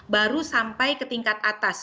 baru sampai ke tingkat atas